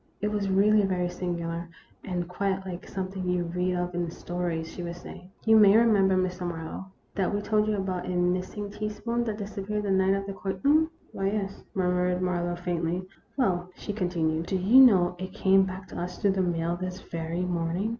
" It was really very singular, and quite like some thing you read of in stories," she was saying. " You may remember, Mr. Marlowe, that we told you about a missing teaspoon that disappeared the night of the cotillon ?"" Why, yes," murmured Marlowe, faintly. " Well," she continued, " do you know, it came back to us through the mail this very morning